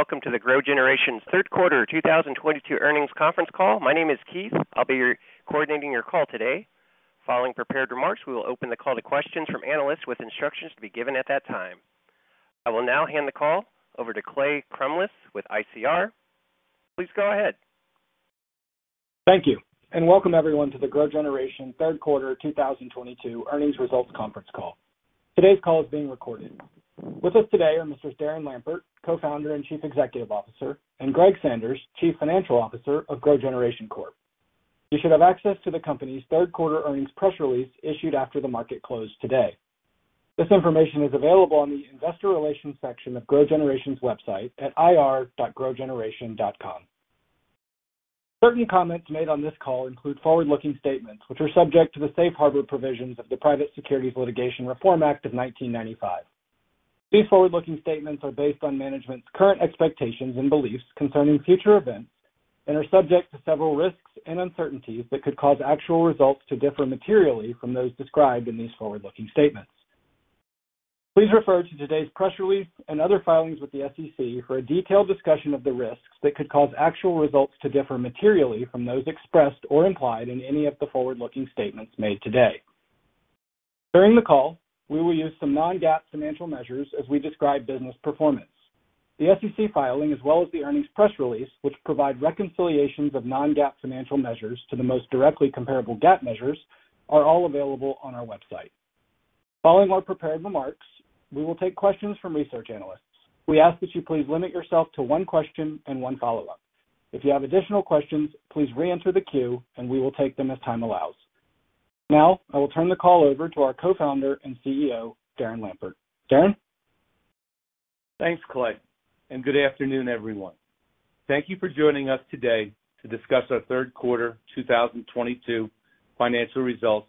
Hello, welcome to the GrowGeneration's third quarter 2022 earnings conference call. My name is Keith. I will be coordinating your call today. Following prepared remarks, we will open the call to questions from analysts with instructions to be given at that time. I will now hand the call over to Clay Crumlish with ICR. Please go ahead. Thank you. Welcome everyone to the GrowGeneration third quarter 2022 earnings results conference call. Today's call is being recorded. With us today are Messrs. Darren Lampert, Co-founder and Chief Executive Officer, and Greg Sanders, Chief Financial Officer of GrowGeneration Corp. You should have access to the company's third quarter earnings press release issued after the market close today. This information is available on the investor relations section of GrowGeneration's website at ir.growgeneration.com. Certain comments made on this call include forward-looking statements, which are subject to the safe harbor provisions of the Private Securities Litigation Reform Act of 1995. These forward-looking statements are based on management's current expectations and beliefs concerning future events and are subject to several risks and uncertainties that could cause actual results to differ materially from those described in these forward-looking statements. Please refer to today's press release and other filings with the SEC for a detailed discussion of the risks that could cause actual results to differ materially from those expressed or implied in any of the forward-looking statements made today. During the call, we will use some non-GAAP financial measures as we describe business performance. The SEC filing, as well as the earnings press release, which provide reconciliations of non-GAAP financial measures to the most directly comparable GAAP measures, are all available on our website. Following our prepared remarks, we will take questions from research analysts. We ask that you please limit yourself to one question and one follow-up. If you have additional questions, please reenter the queue and we will take them as time allows. I will turn the call over to our Co-founder and CEO, Darren Lampert. Darren? Thanks, Clay. Good afternoon, everyone. Thank you for joining us today to discuss our third quarter 2022 financial results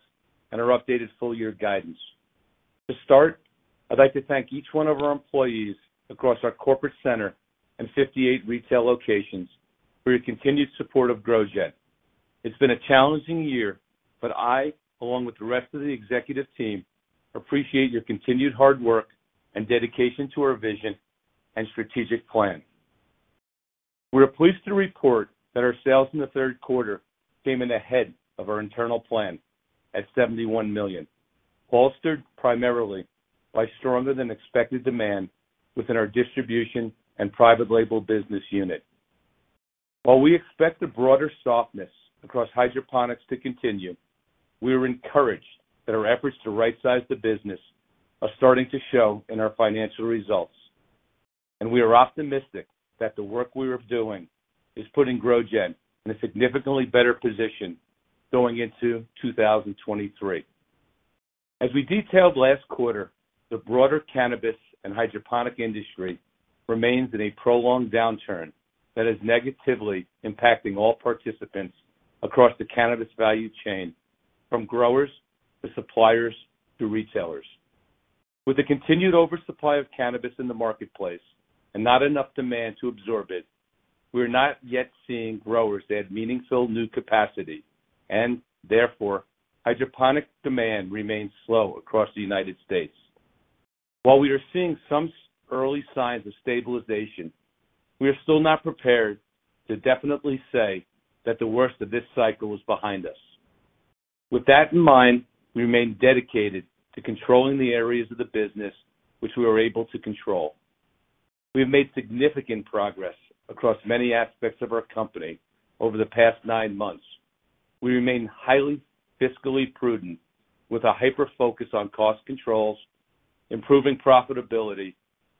and our updated full year guidance. To start, I would like to thank each one of our employees across our corporate center and 58 retail locations for your continued support of GrowGen. It has been a challenging year, but I, along with the rest of the executive team, appreciate your continued hard work and dedication to our vision and strategic plan. We are pleased to report that our sales in the third quarter came in ahead of our internal plan at $71 million, bolstered primarily by stronger than expected demand within our distribution and private label business unit. While we expect the broader softness across hydroponics to continue, we are encouraged that our efforts to right size the business are starting to show in our financial results. We are optimistic that the work we are doing is putting GrowGen in a significantly better position going into 2023. As we detailed last quarter, the broader cannabis and hydroponic industry remains in a prolonged downturn that is negatively impacting all participants across the cannabis value chain, from growers to suppliers to retailers. With the continued oversupply of cannabis in the marketplace and not enough demand to absorb it, we are not yet seeing growers add meaningful new capacity, and therefore, hydroponic demand remains slow across the United States. While we are seeing some early signs of stabilization, we are still not prepared to definitely say that the worst of this cycle is behind us. With that in mind, we remain dedicated to controlling the areas of the business which we are able to control. We have made significant progress across many aspects of our company over the past nine months. We remain highly fiscally prudent with a hyper-focus on cost controls, improving profitability,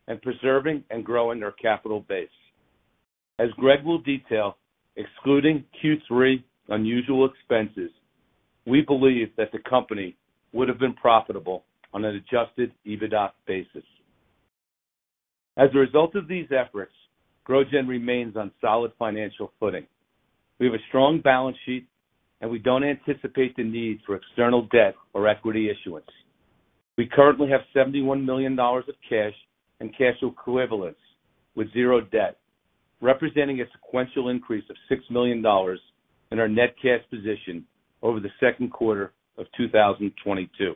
and preserving and growing our capital base. As Greg Sanders will detail, excluding Q3 unusual expenses, we believe that the company would have been profitable on an adjusted EBITDA basis. As a result of these efforts, GrowGen remains on solid financial footing. We have a strong balance sheet, and we don't anticipate the need for external debt or equity issuance. We currently have $71 million of cash and cash equivalents with zero debt, representing a sequential increase of $6 million in our net cash position over the second quarter of 2022.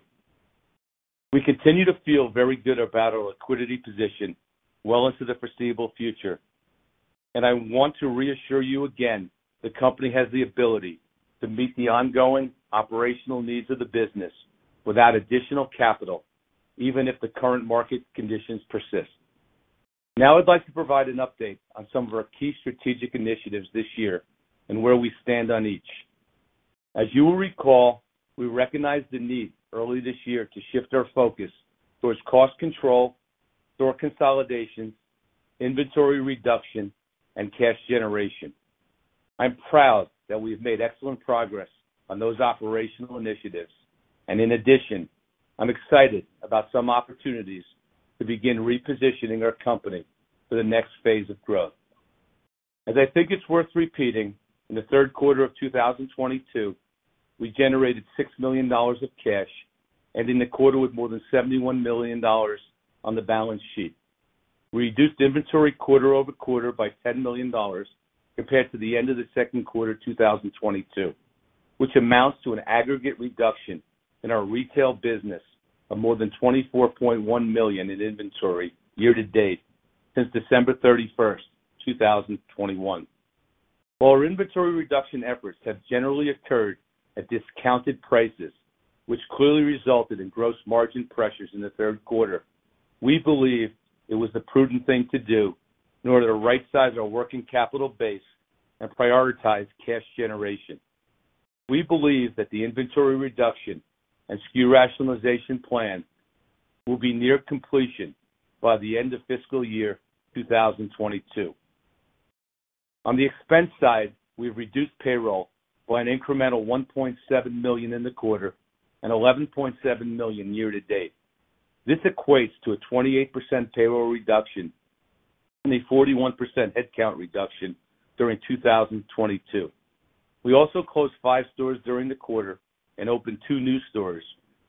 We continue to feel very good about our liquidity position well into the foreseeable future, and I want to reassure you again, the company has the ability to meet the ongoing operational needs of the business without additional capital, even if the current market conditions persist. I'd like to provide an update on some of our key strategic initiatives this year and where we stand on each. You will recall, we recognized the need early this year to shift our focus towards cost control, store consolidation, inventory reduction, and cash generation. I'm proud that we have made excellent progress on those operational initiatives. In addition, I'm excited about some opportunities to begin repositioning our company for the next phase of growth. I think it's worth repeating, in the third quarter of 2022, we generated $6 million of cash, ending the quarter with more than $71 million on the balance sheet. We reduced inventory quarter-over-quarter by $10 million compared to the end of the second quarter 2022. Which amounts to an aggregate reduction in our retail business of more than $24.1 million in inventory year to date since December 31st, 2021. While our inventory reduction efforts have generally occurred at discounted prices, which clearly resulted in gross margin pressures in the third quarter, we believe it was the prudent thing to do in order to right size our working capital base and prioritize cash generation. We believe that the inventory reduction and SKU rationalization plan will be near completion by the end of fiscal year 2022. On the expense side, we've reduced payroll by an incremental $1.7 million in the quarter and $11.7 million year-to-date. This equates to a 28% payroll reduction and a 41% headcount reduction during 2022. We also closed five stores during the quarter and opened two new stores,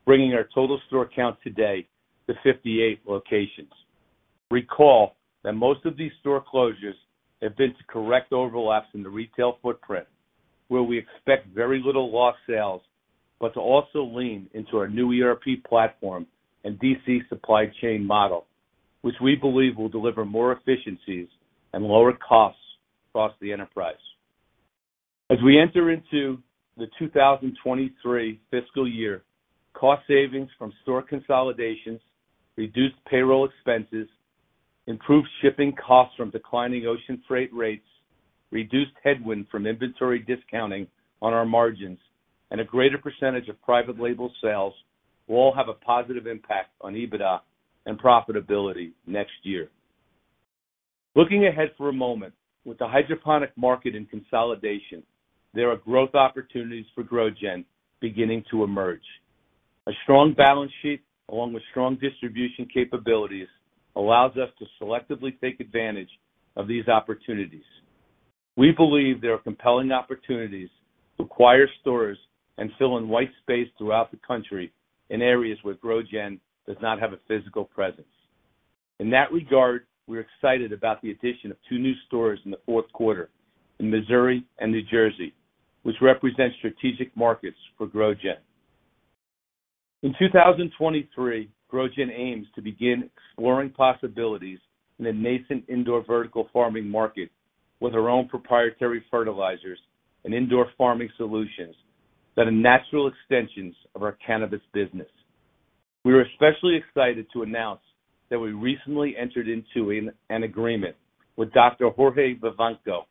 bringing our total store count today to 58 locations. Recall that most of these store closures have been to correct overlaps in the retail footprint, where we expect very little lost sales, but to also lean into our new ERP platform and DC supply chain model, which we believe will deliver more efficiencies and lower costs across the enterprise. As we enter into the 2023 fiscal year, cost savings from store consolidations, reduced payroll expenses, improved shipping costs from declining ocean freight rates, reduced headwind from inventory discounting on our margins, and a greater percentage of private label sales will all have a positive impact on EBITDA and profitability next year. Looking ahead for a moment, with the hydroponic market in consolidation, there are growth opportunities for GrowGen beginning to emerge. A strong balance sheet, along with strong distribution capabilities, allows us to selectively take advantage of these opportunities. We believe there are compelling opportunities to acquire stores and fill in white space throughout the country in areas where GrowGen does not have a physical presence. In that regard, we're excited about the addition of two new stores in the fourth quarter in Missouri and New Jersey, which represent strategic markets for GrowGen. In 2023, GrowGen aims to begin exploring possibilities in the nascent indoor vertical farming market with our own proprietary fertilizers and indoor farming solutions that are natural extensions of our cannabis business. We are especially excited to announce that we recently entered into an agreement with Dr. Jorge Vivanco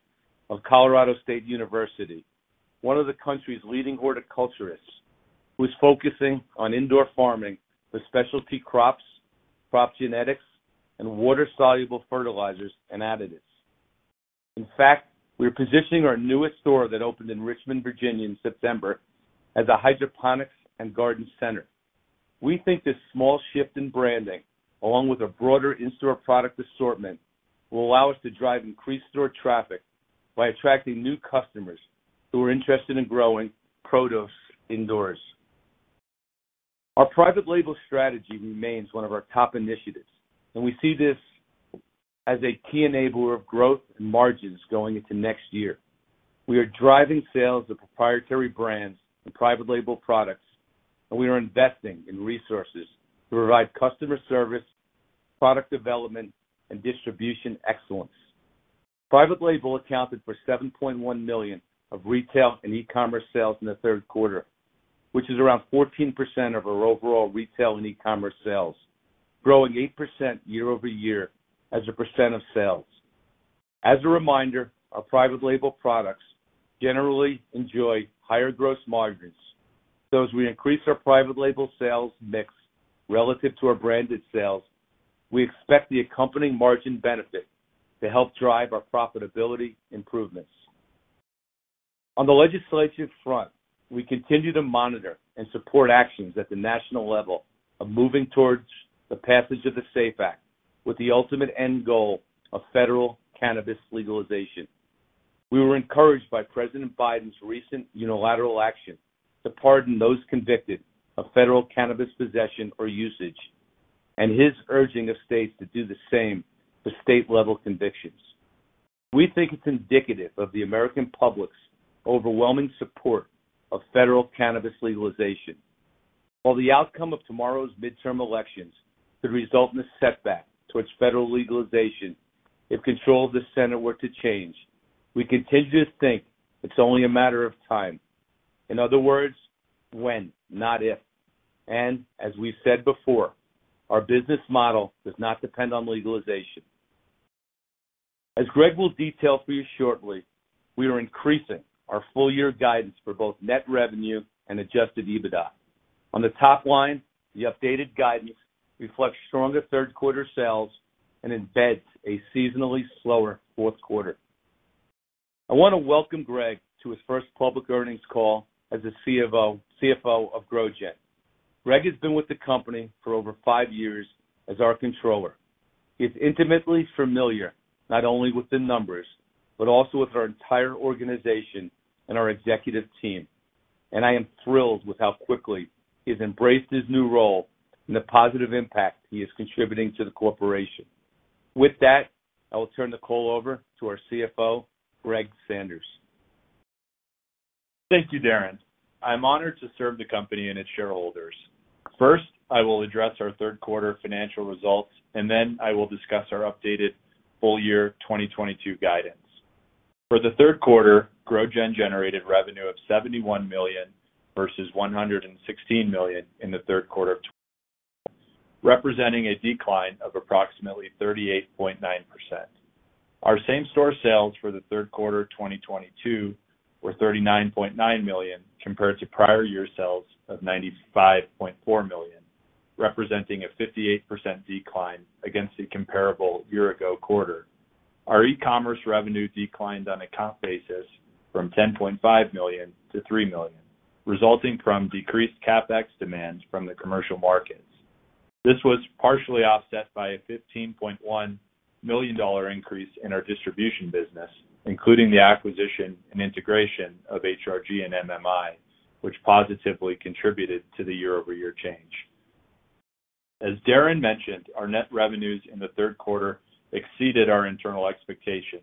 of Colorado State University, one of the country's leading horticulturists, who is focusing on indoor farming with specialty crops, crop genetics, and water-soluble fertilizers and additives. In fact, we are positioning our newest store that opened in Richmond, Virginia in September as a hydroponics and garden center. We think this small shift in branding, along with a broader in-store product assortment, will allow us to drive increased store traffic by attracting new customers who are interested in growing produce indoors. Our private label strategy remains one of our top initiatives, and we see this as a key enabler of growth and margins going into next year. We are driving sales of proprietary brands and private label products, and we are investing in resources to provide customer service, product development, and distribution excellence. Private label accounted for $7.1 million of retail and e-commerce sales in the third quarter, which is around 14% of our overall retail and e-commerce sales, growing 8% year-over-year as a percent of sales. As a reminder, our private label products generally enjoy higher gross margins. As we increase our private label sales mix relative to our branded sales, we expect the accompanying margin benefit to help drive our profitability improvements. On the legislative front, we continue to monitor and support actions at the national level of moving towards the passage of the SAFE Act with the ultimate end goal of federal cannabis legalization. We were encouraged by President Biden's recent unilateral action to pardon those convicted of federal cannabis possession or usage and his urging of states to do the same for state-level convictions. We think it's indicative of the American public's overwhelming support of federal cannabis legalization. While the outcome of tomorrow's midterm elections could result in a setback towards federal legalization if control of the Senate were to change, we continue to think it's only a matter of time. In other words, when, not if. As we've said before, our business model does not depend on legalization. As Greg will detail for you shortly, we are increasing our full year guidance for both net revenue and adjusted EBITDA. On the top line, the updated guidance reflects stronger third quarter sales and embeds a seasonally slower fourth quarter. I want to welcome Greg to his first public earnings call as the CFO of GrowGeneration. Greg has been with the company for over five years as our controller. He is intimately familiar, not only with the numbers, but also with our entire organization and our executive team. I am thrilled with how quickly he has embraced his new role and the positive impact he is contributing to the corporation. With that, I will turn the call over to our CFO, Greg Sanders. Thank you, Darren. I'm honored to serve the company and its shareholders. First, I will address our third quarter financial results, then I will discuss our updated full year 2022 guidance. For the third quarter, GrowGeneration generated revenue of $71 million versus $116 million in the third quarter of, representing a decline of approximately 38.9%. Our same store sales for the third quarter 2022 were $39.9 million, compared to prior year sales of $95.4 million, representing a 58% decline against the comparable year ago quarter. Our e-commerce revenue declined on a comp basis from $10.5 million to $3 million, resulting from decreased CapEx demands from the commercial markets. This was partially offset by a $15.1 million increase in our distribution business, including the acquisition and integration of HRG and MMI, which positively contributed to the year-over-year change. As Darren mentioned, our net revenues in the third quarter exceeded our internal expectations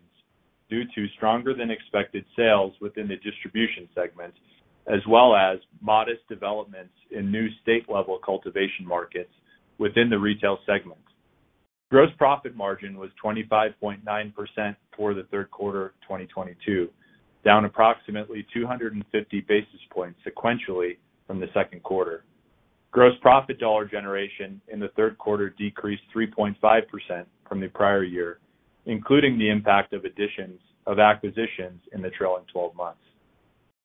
due to stronger than expected sales within the distribution segment, as well as modest developments in new state-level cultivation markets within the retail segment. Gross profit margin was 25.9% for the third quarter of 2022, down approximately 250 basis points sequentially from the second quarter. Gross profit dollar generation in the third quarter decreased 3.5% from the prior year, including the impact of additions of acquisitions in the trailing 12 months.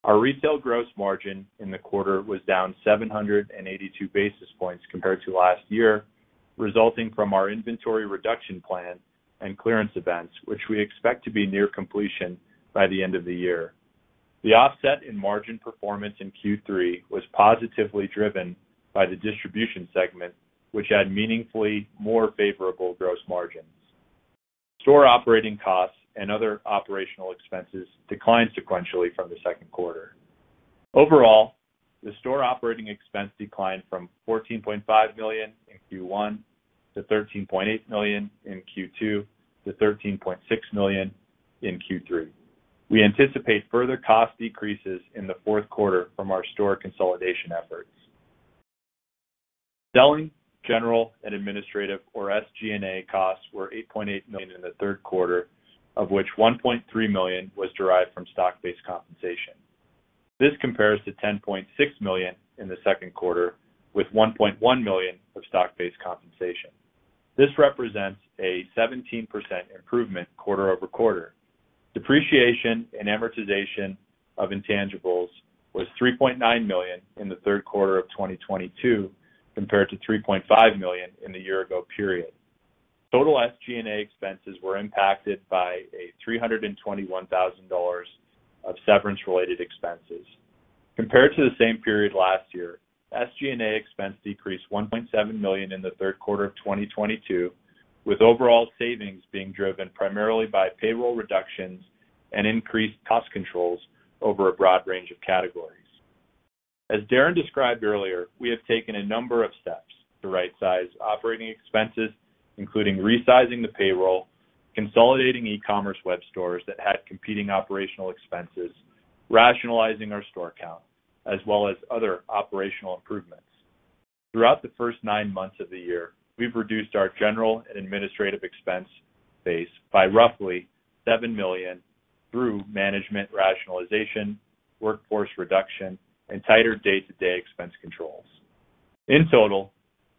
Our retail gross margin in the quarter was down 782 basis points compared to last year, resulting from our inventory reduction plan and clearance events, which we expect to be near completion by the end of the year. The offset in margin performance in Q3 was positively driven by the distribution segment, which had meaningfully more favorable gross margins. Store operating costs and other operational expenses declined sequentially from the second quarter. Overall, the store operating expense declined from $14.5 million in Q1, to $13.8 million in Q2, to $13.6 million in Q3. We anticipate further cost decreases in the fourth quarter from our store consolidation efforts. Selling, general, and administrative or SG&A costs were $8.8 million in the third quarter, of which $1.3 million was derived from stock-based compensation. This compares to $10.6 million in the second quarter, with $1.1 million of stock-based compensation. This represents a 17% improvement quarter-over-quarter. Depreciation and amortization of intangibles was $3.9 million in the third quarter of 2022 compared to $3.5 million in the year ago period. Total SG&A expenses were impacted by a $321,000 of severance-related expenses. Compared to the same period last year, SG&A expense decreased $1.7 million in the third quarter of 2022, with overall savings being driven primarily by payroll reductions and increased cost controls over a broad range of categories. As Darren described earlier, we have taken a number of steps to rightsize operating expenses, including resizing the payroll, consolidating e-commerce web stores that had competing operational expenses, rationalizing our store count, as well as other operational improvements. Throughout the first nine months of the year, we've reduced our general and administrative expense base by roughly $7 million through management rationalization, workforce reduction, and tighter day-to-day expense controls. In total,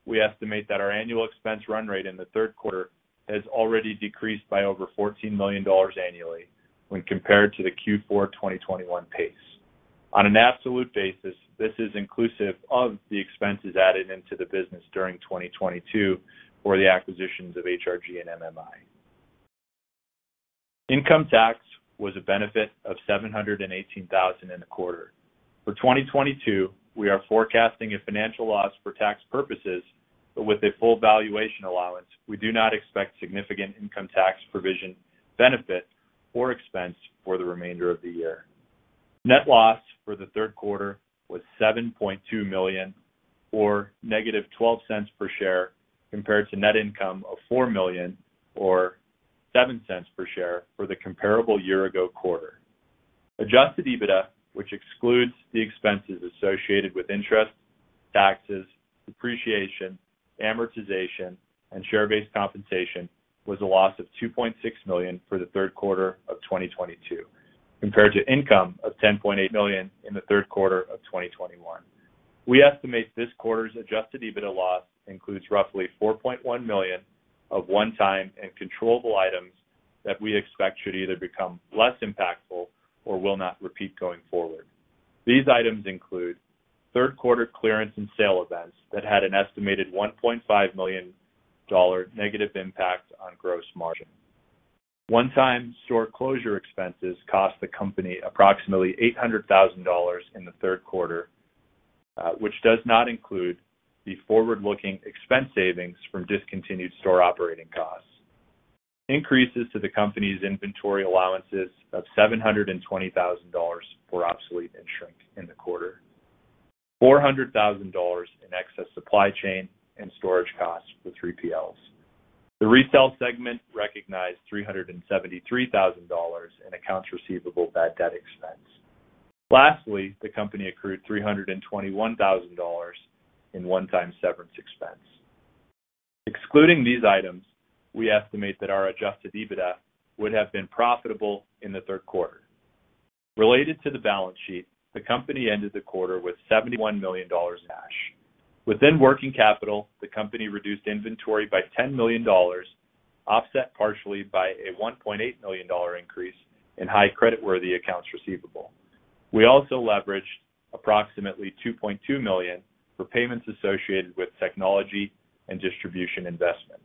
we estimate that our annual expense run rate in the third quarter has already decreased by over $14 million annually when compared to the Q4 2021 pace. On an absolute basis, this is inclusive of the expenses added into the business during 2022 for the acquisitions of HRG and MMI. Income tax was a benefit of $718,000 in the quarter. For 2022, we are forecasting a financial loss for tax purposes, with a full valuation allowance, we do not expect significant income tax provision benefit or expense for the remainder of the year. Net loss for the third quarter was $7.2 million, or -$0.12 per share, compared to net income of $4 million or $0.07 per share for the comparable year ago quarter. Adjusted EBITDA, which excludes the expenses associated with interest, taxes, depreciation, amortization, and share-based compensation, was a loss of $2.6 million for the third quarter of 2022, compared to income of $10.8 million in the third quarter of 2021. We estimate this quarter's adjusted EBITDA loss includes roughly $4.1 million of one-time and controllable items that we expect should either become less impactful or will not repeat going forward. These items include third quarter clearance and sale events that had an estimated $1.5 million negative impact on gross margin. One-time store closure expenses cost the company approximately $800,000 in the third quarter, which does not include the forward-looking expense savings from discontinued store operating costs. Increases to the company's inventory allowances of $720,000 for obsolete and shrink in the quarter. $400,000 in excess supply chain and storage costs with 3PLs. The retail segment recognized $373,000 in accounts receivable bad debt expense. Lastly, the company accrued $321,000 in one-time severance expense. Excluding these items, we estimate that our adjusted EBITDA would have been profitable in the third quarter. Related to the balance sheet, the company ended the quarter with $71 million in cash. Within working capital, the company reduced inventory by $10 million, offset partially by a $1.8 million increase in high creditworthy accounts receivable. We also leveraged approximately $2.2 million for payments associated with technology and distribution investments.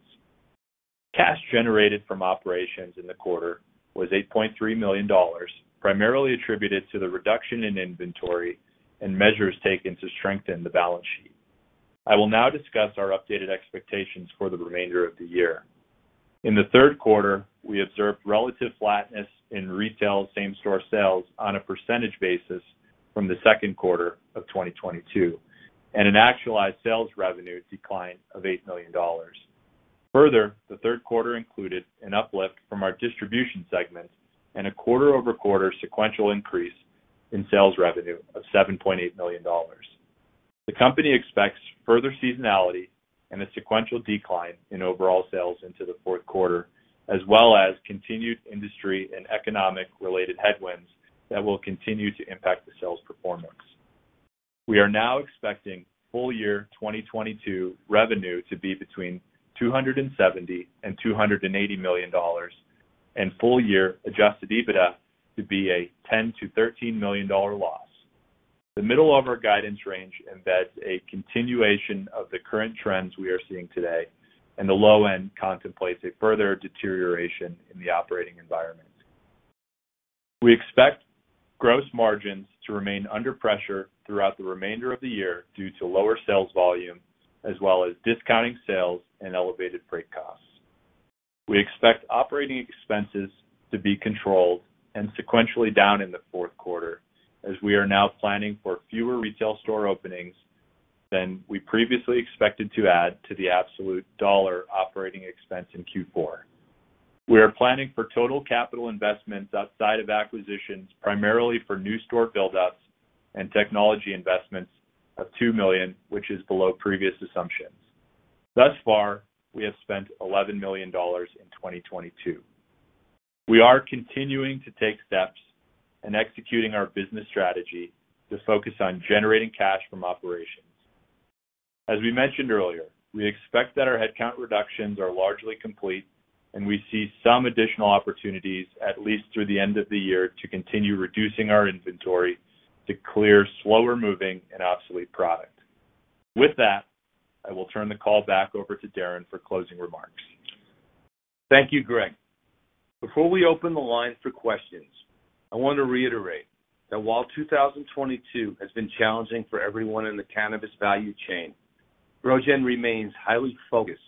Cash generated from operations in the quarter was $8.3 million, primarily attributed to the reduction in inventory and measures taken to strengthen the balance sheet. I will now discuss our updated expectations for the remainder of the year. In the third quarter, we observed relative flatness in retail same-store sales on a percentage basis from the second quarter of 2022, and an actualized sales revenue decline of $8 million. The third quarter included an uplift from our distribution segment and a quarter-over-quarter sequential increase in sales revenue of $7.8 million. The company expects further seasonality and a sequential decline in overall sales into the fourth quarter, as well as continued industry and economic-related headwinds that will continue to impact the sales performance. We are now expecting full year 2022 revenue to be between $270 million and $280 million, and full year adjusted EBITDA to be a $10 million to $13 million loss. The middle of our guidance range embeds a continuation of the current trends we are seeing today, and the low end contemplates a further deterioration in the operating environment. We expect gross margins to remain under pressure throughout the remainder of the year due to lower sales volume, as well as discounting sales and elevated freight costs. We expect operating expenses to be controlled and sequentially down in the fourth quarter, as we are now planning for fewer retail store openings than we previously expected to add to the absolute dollar operating expense in Q4. We are planning for total capital investments outside of acquisitions, primarily for new store build-outs and technology investments of $2 million, which is below previous assumptions. Thus far, we have spent $11 million in 2022. We are continuing to take steps in executing our business strategy to focus on generating cash from operations. As we mentioned earlier, we expect that our headcount reductions are largely complete, and we see some additional opportunities at least through the end of the year, to continue reducing our inventory to clear slower-moving and obsolete product. With that, I will turn the call back over to Darren for closing remarks. Thank you, Greg. Before we open the line for questions, I want to reiterate that while 2022 has been challenging for everyone in the cannabis value chain, GrowGen remains highly focused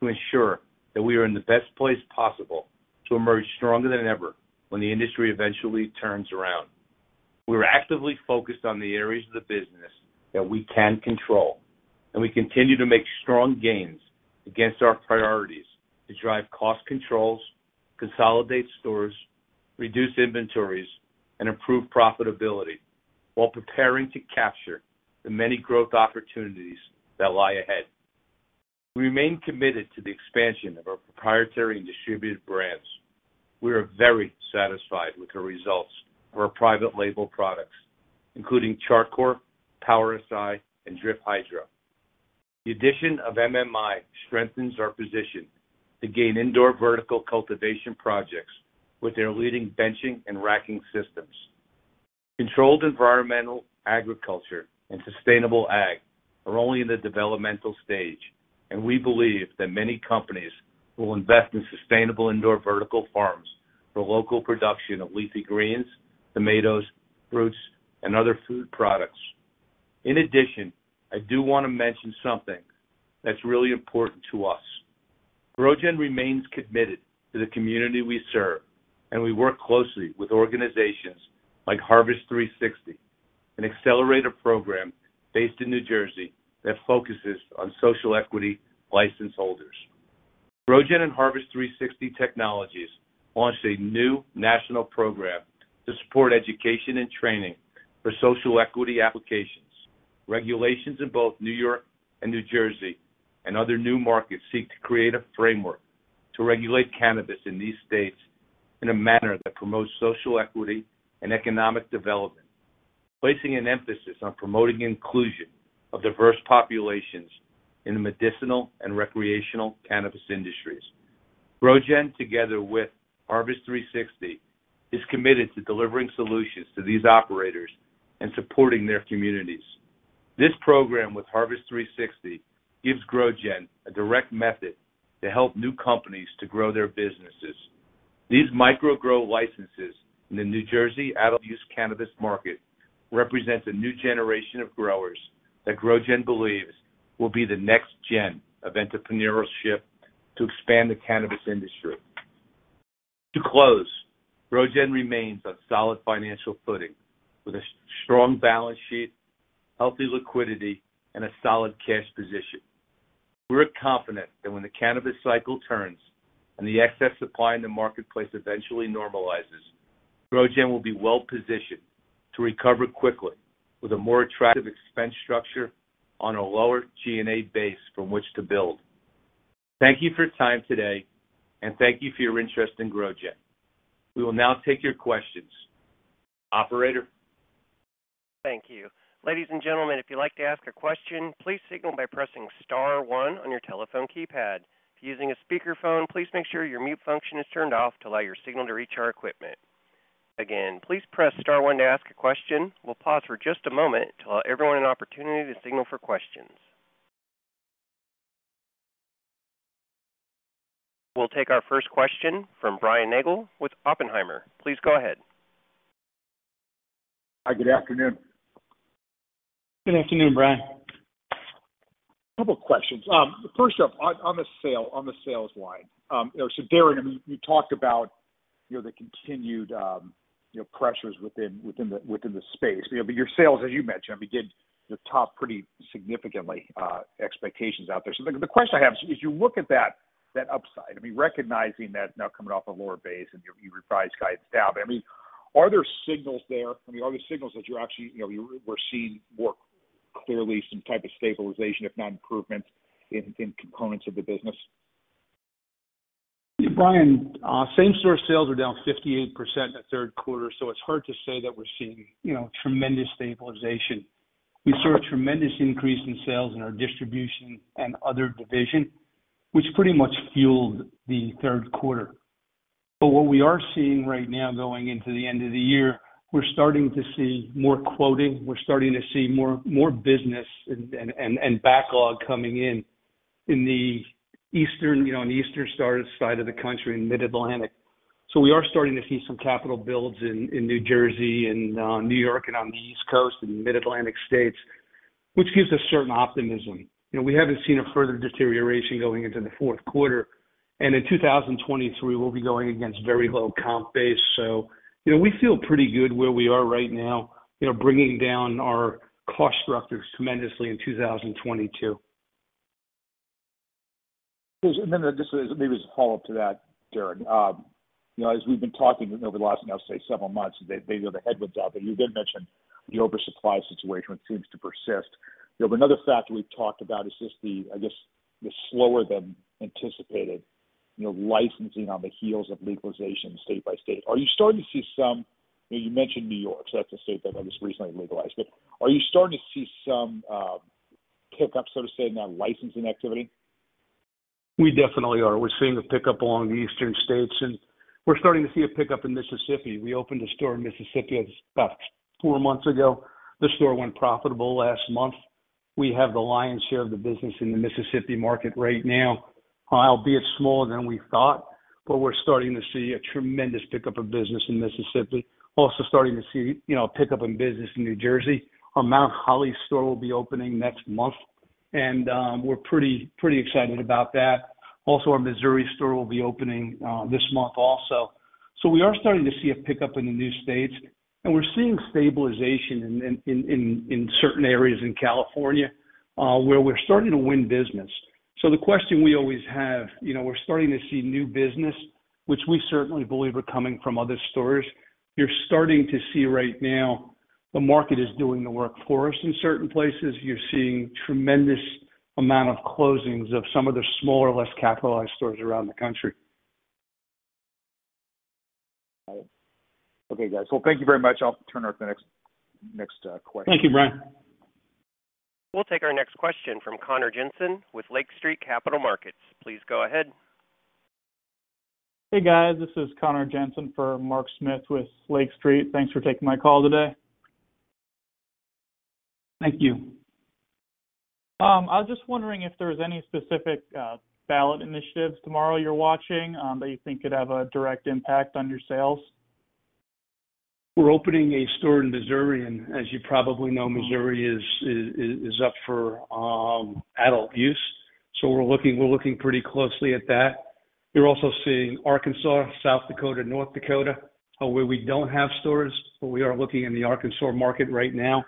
to ensure that we are in the best place possible to emerge stronger than ever when the industry eventually turns around. We are actively focused on the areas of the business that we can control, and we continue to make strong gains against our priorities to drive cost controls, consolidate stores, reduce inventories, and improve profitability while preparing to capture the many growth opportunities that lie ahead. We remain committed to the expansion of our proprietary and distributed brands. We are very satisfied with the results of our private label products, including Char Coir, Power Si, and Drip Hydro. The addition of MMI strengthens our position to gain indoor vertical cultivation projects with their leading benching and racking systems. Controlled environmental agriculture and sustainable ag are only in the developmental stage, and we believe that many companies will invest in sustainable indoor vertical farms for local production of leafy greens, tomatoes, fruits, and other food products. In addition, I do want to mention something that's really important to us. GrowGen remains committed to the community we serve, and we work closely with organizations like Harvest 360, an accelerator program based in New Jersey that focuses on social equity license holders. GrowGen and Harvest 360 Technologies launched a new national program to support education and training for social equity applications. Regulations in both New York and New Jersey and other new markets seek to create a framework to regulate cannabis in these states in a manner that promotes social equity and economic development, placing an emphasis on promoting inclusion of diverse populations in the medicinal and recreational cannabis industries. GrowGen, together with Harvest 360, is committed to delivering solutions to these operators and supporting their communities. This program with Harvest 360 gives GrowGen a direct method to help new companies to grow their businesses. These micro-grow licenses in the New Jersey adult use cannabis market represents a new generation of growers that GrowGen believes will be the next gen of entrepreneurship to expand the cannabis industry. To close, GrowGen remains on solid financial footing with a strong balance sheet, healthy liquidity, and a solid cash position. We're confident that when the cannabis cycle turns and the excess supply in the marketplace eventually normalizes, GrowGen will be well-positioned to recover quickly with a more attractive expense structure on a lower G&A base from which to build. Thank you for your time today, and thank you for your interest in GrowGen. We will now take your questions. Operator? Thank you. Ladies and gentlemen, if you'd like to ask a question, please signal by pressing star one on your telephone keypad. If using a speakerphone, please make sure your mute function is turned off to allow your signal to reach our equipment. Again, please press star one to ask a question. We'll pause for just a moment to allow everyone an opportunity to signal for questions. We'll take our first question from Brian Nagel with Oppenheimer. Please go ahead. Hi, good afternoon. Good afternoon, Brian. A couple of questions. First up, on the sales line. Darren, you talked about the continued pressures within the space. Your sales, as you mentioned, did the top pretty significantly expectations out there. The question I have is, as you look at that upside, recognizing that now coming off a lower base and you revised guidance down, are there signals there that you actually were seeing more clearly some type of stabilization, if not improvement, in components of the business? Brian, same-store sales are down 58% in the third quarter. It's hard to say that we're seeing tremendous stabilization. We saw a tremendous increase in sales in our distribution and other division, which pretty much fueled the third quarter. What we are seeing right now going into the end of the year, we're starting to see more quoting. We're starting to see more business and backlog coming in the eastern side of the country, in Mid-Atlantic. We are starting to see some capital builds in New Jersey and New York and on the East Coast and Mid-Atlantic states, which gives us certain optimism. We haven't seen a further deterioration going into the fourth quarter. In 2023, we'll be going against very low comp base. We feel pretty good where we are right now, bringing down our cost structures tremendously in 2022. Just maybe as a follow-up to that, Darren. As we've been talking over the last, I'll say, several months, the headwinds out there, you did mention the oversupply situation, which seems to persist. Another factor we've talked about is just the, I guess, the slower than anticipated licensing on the heels of legalization state by state. Are you starting to see some You mentioned New York, that's a state that just recently legalized, but are you starting to see some pickup, so to say, in that licensing activity? We definitely are. We're seeing a pickup along the eastern states. We're starting to see a pickup in Mississippi. We opened a store in Mississippi about four months ago. The store went profitable last month. We have the lion's share of the business in the Mississippi market right now, albeit smaller than we thought. We're starting to see a tremendous pickup of business in Mississippi. Starting to see a pickup in business in New Jersey. Our Mount Holly store will be opening next month. We're pretty excited about that. Our Missouri store will be opening this month also. We are starting to see a pickup in the new states. We're seeing stabilization in certain areas in California, where we're starting to win business. The question we always have, we're starting to see new business, which we certainly believe are coming from other stores. You're starting to see right now the market is doing the work for us in certain places. You're seeing tremendous amount of closings of some of the smaller, less capitalized stores around the country. Okay, guys. Well, thank you very much. I'll turn over to the next question. Thank you, Brian. We'll take our next question from Conor Jensen with Lake Street Capital Markets. Please go ahead. Hey, guys. This is Conor Jensen for Mark Smith with Lake Street. Thanks for taking my call today. Thank you. I was just wondering if there was any specific ballot initiatives tomorrow you're watching that you think could have a direct impact on your sales? We're opening a store in Missouri. As you probably know, Missouri is up for adult use. We're looking pretty closely at that. You're also seeing Arkansas, South Dakota, North Dakota, where we don't have stores, but we are looking in the Arkansas market right now.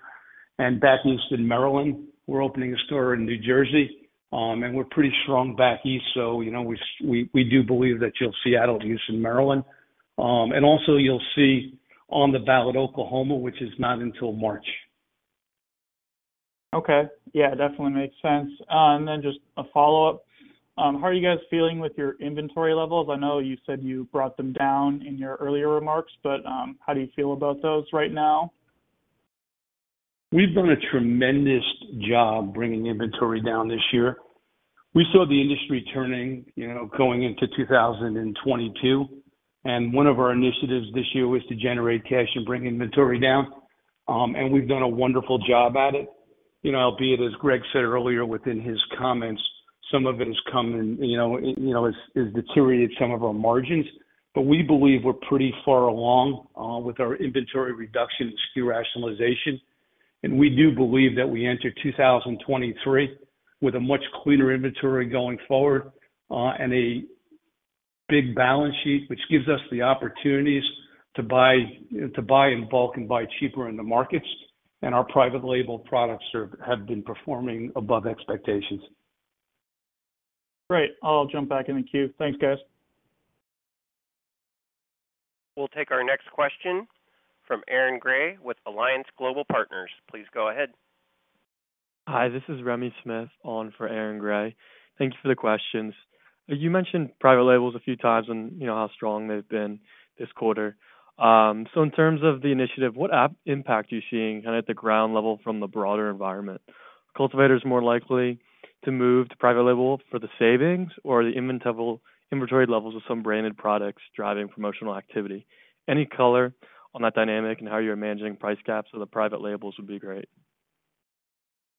Back east in Maryland. We're opening a store in New Jersey. We're pretty strong back east, so we do believe that you'll see adult use in Maryland. Also you'll see on the ballot, Oklahoma, which is not until March. Okay. Yeah, definitely makes sense. Just a follow-up. How are you guys feeling with your inventory levels? I know you said you brought them down in your earlier remarks, but how do you feel about those right now? We've done a tremendous job bringing inventory down this year. We saw the industry turning, going into 2022, and one of our initiatives this year was to generate cash and bring inventory down. We've done a wonderful job at it. Albeit, as Greg said earlier within his comments, some of it has come in, has deteriorated some of our margins. We believe we're pretty far along with our inventory reduction and SKU rationalization. We do believe that we enter 2023 with a much cleaner inventory going forward, and a big balance sheet, which gives us the opportunities to buy in bulk and buy cheaper in the markets. Our private label products have been performing above expectations. Great. I'll jump back in the queue. Thanks, guys. We'll take our next question from Aaron Grey with Alliance Global Partners. Please go ahead. Hi, this is Remy Smith on for Aaron Grey. Thank you for the questions. You mentioned private labels a few times and how strong they've been this quarter. In terms of the initiative, what impact are you seeing at the ground level from the broader environment? Are cultivators more likely to move to private label for the savings or are the inventory levels of some branded products driving promotional activity? Any color on that dynamic and how you're managing price caps of the private labels would be great.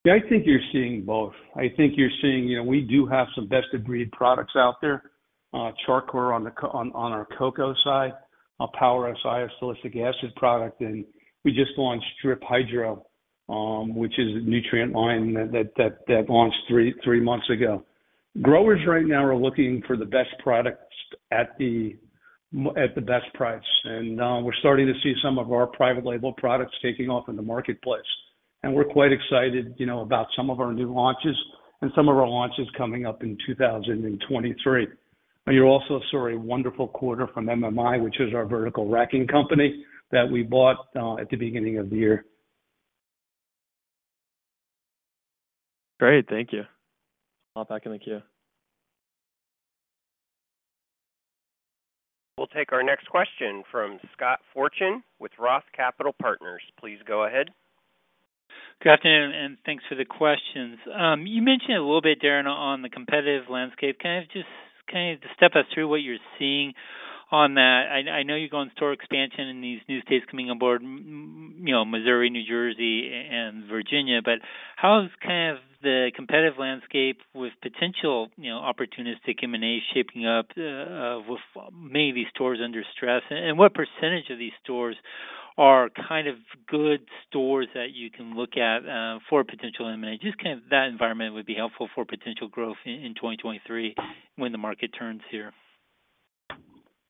Yeah, I think you're seeing both. I think you're seeing, we do have some best of breed products out there. Char Coir on our coco side, our Power Si our silicic acid product, and we just launched Drip Hydro, which is a nutrient line that launched three months ago. Growers right now are looking for the best products at the best price. We're starting to see some of our private label products taking off in the marketplace. We're quite excited about some of our new launches and some of our launches coming up in 2023. You also saw a wonderful quarter from MMI, which is our vertical racking company that we bought at the beginning of the year. Great. Thank you. I'll hop back in the queue. We'll take our next question from Scott Fortune with ROTH Capital Partners. Please go ahead. Good afternoon. Thanks for the questions. You mentioned a little bit, Darren, on the competitive landscape. Can you just kind of step us through what you're seeing on that? I know you go on store expansion in these new states coming on board, Missouri, New Jersey, and Virginia, but how has kind of the competitive landscape with potential opportunistic M&A shaping up, with many stores under stress? What % of these stores are kind of good stores that you can look at for potential M&A? Just kind of that environment would be helpful for potential growth in 2023 when the market turns here.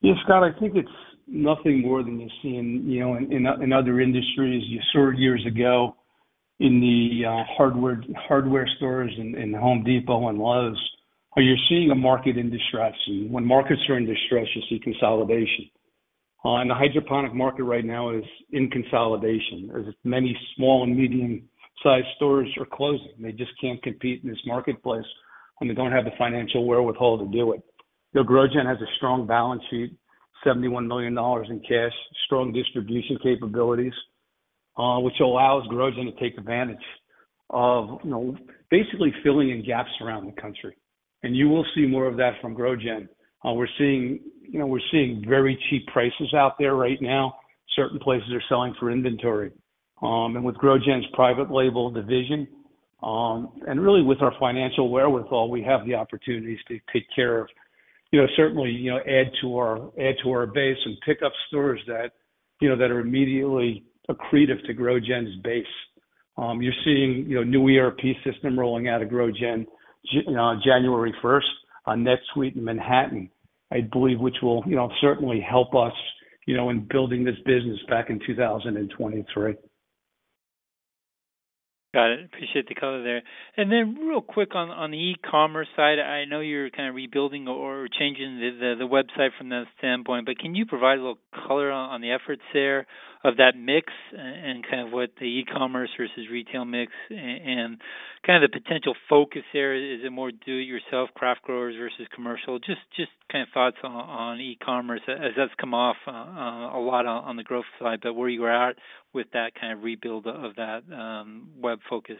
Yeah, Scott, I think it's nothing more than you're seeing in other industries. You saw years ago in the hardware stores in The Home Depot and Lowe's, how you're seeing a market in distress. When markets are in distress, you see consolidation. The hydroponic market right now is in consolidation, as many small and medium-sized stores are closing. They just can't compete in this marketplace, and they don't have the financial wherewithal to do it. GrowGen has a strong balance sheet, $71 million in cash, strong distribution capabilities, which allows GrowGen to take advantage of basically filling in gaps around the country. You will see more of that from GrowGen. We're seeing very cheap prices out there right now. Certain places are selling for inventory. With GrowGen's private label division, and really with our financial wherewithal, we have the opportunities to take care of certainly add to our base and pick up stores that are immediately accretive to GrowGen's base. You're seeing new ERP system rolling out of GrowGen January 1st, NetSuite and Manhattan, I believe, which will certainly help us in building this business back in 2023. Got it. Appreciate the color there. Then real quick on the e-commerce side, I know you're kind of rebuilding or changing the website from that standpoint, but can you provide a little color on the efforts there of that mix and kind of what the e-commerce versus retail mix and kind of the potential focus there? Is it more do-it-yourself craft growers versus commercial? Just kind of thoughts on e-commerce as that's come off a lot on the growth side, but where you are at with that kind of rebuild of that web focus.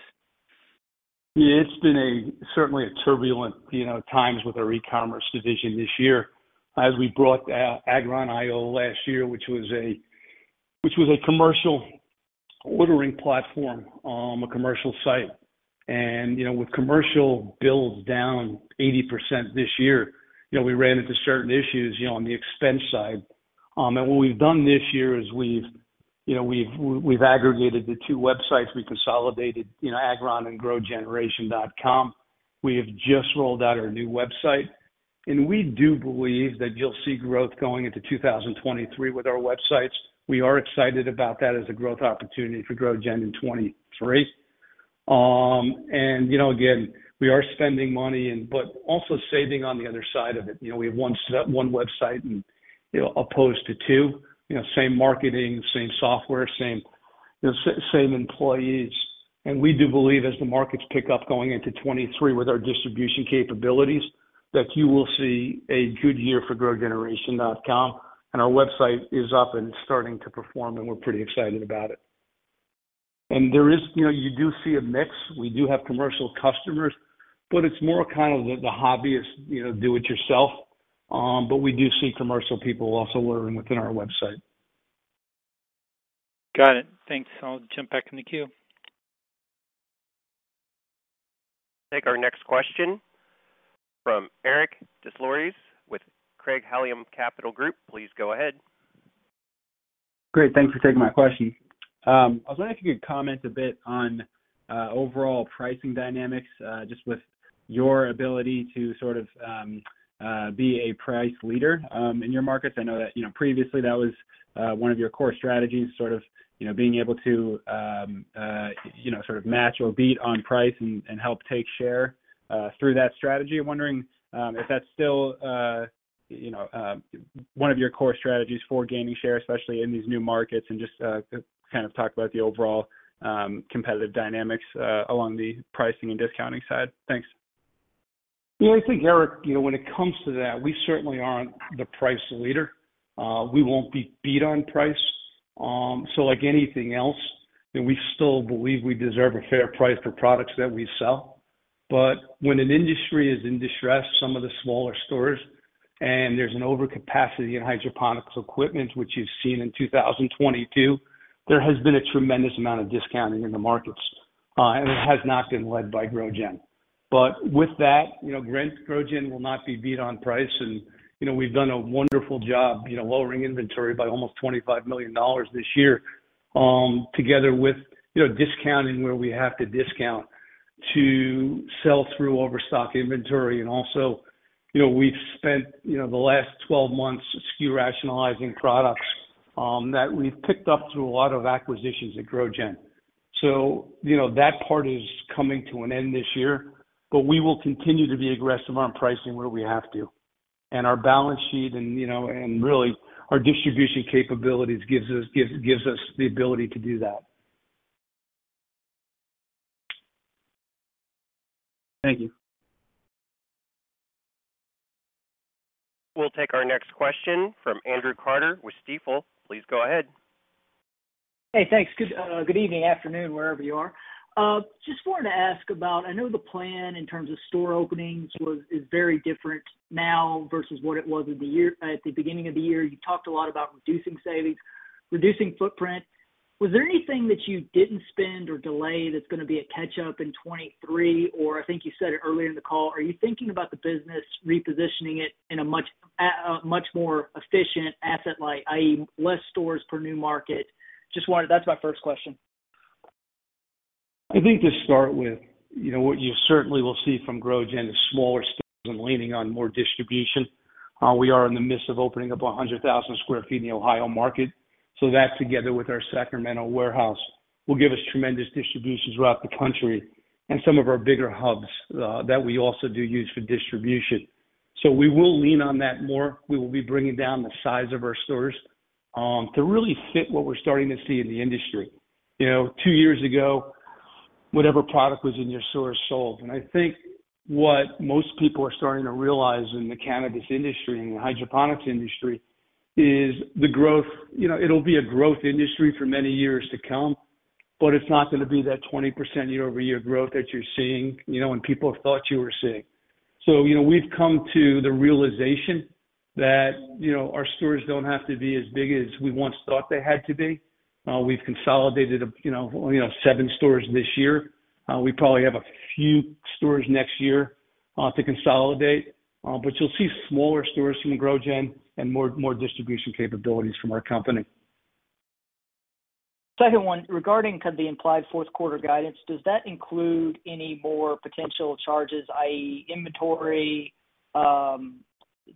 Yeah. It's been certainly a turbulent times with our e-commerce division this year as we brought Agron.io last year, which was a commercial ordering platform, a commercial site. With commercial builds down 80% this year, we ran into certain issues on the expense side. What we've done this year is we've aggregated the two websites. We consolidated Agron.io and growgeneration.com. We have just rolled out our new website, we do believe that you'll see growth going into 2023 with our websites. We are excited about that as a growth opportunity for GrowGen in 2023. Again, we are spending money, but also saving on the other side of it. We have one website opposed to two. Same marketing, same software, same employees. We do believe as the markets pick up going into 2023 with our distribution capabilities, that you will see a good year for growgeneration.com. Our website is up and starting to perform, we're pretty excited about it. You do see a mix. We do have commercial customers, but it's more kind of the hobbyist, do-it-yourself. We do see commercial people also ordering within our website. Got it. Thanks. I'll jump back in the queue. Take our next question from Eric Des Lauriers with Craig-Hallum Capital Group. Please go ahead. Great. Thanks for taking my question. I was wondering if you could comment a bit on overall pricing dynamics, just with your ability to sort of be a price leader, in your markets. I know that previously that was one of your core strategies, sort of being able to match or beat on price and help take share through that strategy. I'm wondering if that's still one of your core strategies for gaining share, especially in these new markets, and just to kind of talk about the overall competitive dynamics along the pricing and discounting side. Thanks. Yeah, I think, Eric, when it comes to that, we certainly aren't the price leader. We won't be beat on price. Like anything else, we still believe we deserve a fair price for products that we sell. When an industry is in distress, some of the smaller stores, and there's an overcapacity in hydroponics equipment, which you've seen in 2022, there has been a tremendous amount of discounting in the markets. It has not been led by GrowGen. With that, GrowGen will not be beat on price, and we've done a wonderful job lowering inventory by almost $25 million this year, together with discounting where we have to discount to sell through overstock inventory. We've spent the last 12 months SKU rationalizing products that we've picked up through a lot of acquisitions at GrowGen. That part is coming to an end this year, but we will continue to be aggressive on pricing where we have to. Our balance sheet and really our distribution capabilities gives us the ability to do that. Thank you. We'll take our next question from Andrew Carter with Stifel. Please go ahead. Hey, thanks. Good evening, afternoon, wherever you are. Just wanted to ask about, I know the plan in terms of store openings is very different now versus what it was at the beginning of the year. You talked a lot about reducing savings, reducing footprint. Was there anything that you didn't spend or delay that's going to be a catch-up in 2023? I think you said it earlier in the call, are you thinking about the business, repositioning it in a much more efficient asset light, i.e., less stores per new market? That's my first question. I think to start with, what you certainly will see from GrowGen is smaller stores and leaning on more distribution. We are in the midst of opening up 100,000 sq ft in the Ohio market. That together with our Sacramento warehouse, will give us tremendous distributions throughout the country and some of our bigger hubs that we also do use for distribution. We will lean on that more. We will be bringing down the size of our stores to really fit what we're starting to see in the industry. Two years ago, whatever product was in your store sold. I think what most people are starting to realize in the cannabis industry and the hydroponics industry is the growth. It'll be a growth industry for many years to come, but it's not going to be that 20% year-over-year growth that you're seeing, and people thought you were seeing. We've come to the realization that our stores don't have to be as big as we once thought they had to be. We've consolidated seven stores this year. We probably have a few stores next year to consolidate. You'll see smaller stores from GrowGen and more distribution capabilities from our company. Second one, regarding kind of the implied fourth quarter guidance, does that include any more potential charges, i.e., inventory,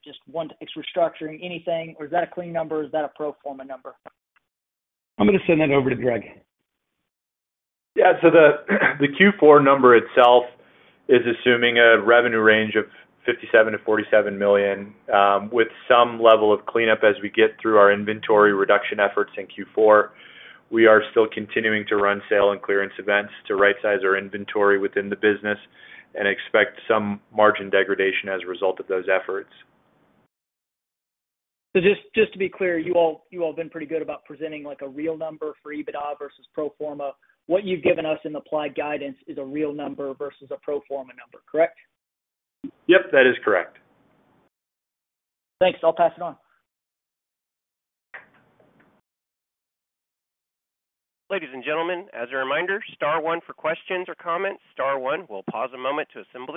just one extra structuring, anything? Is that a clean number? Is that a pro forma number? I'm going to send that over to Greg. Yeah. The Q4 number itself is assuming a revenue range of $47 million-$57 million, with some level of cleanup as we get through our inventory reduction efforts in Q4. We are still continuing to run sale and clearance events to right-size our inventory within the business and expect some margin degradation as a result of those efforts. Just to be clear, you all been pretty good about presenting a real number for EBITDA versus pro forma. What you've given us in applied guidance is a real number versus a pro forma number, correct? Yep, that is correct. Thanks. I'll pass it on. Ladies and gentlemen, as a reminder, star one for questions or comments, star one. We'll pause a moment to assemble